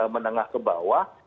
menengah ke bawah